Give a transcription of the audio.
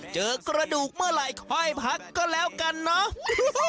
เจอกระดูกเมื่อไหร่ค่อยพักก็แล้วกันเนาะ